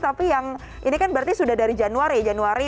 tapi yang ini kan berarti sudah dari januari januari